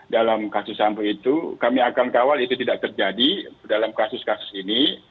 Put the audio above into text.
dalam kasus sampo itu kami akan kawal itu tidak terjadi dalam kasus kasus ini